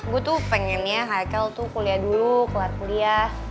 gue tuh pengennya haikel tuh kuliah dulu keluar kuliah